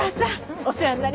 お世話になります。